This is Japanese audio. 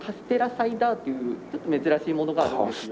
サイダーっていうちょっと珍しいものがあるんですよ。